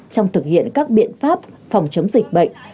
trong thực hiện các biện pháp phòng chống dịch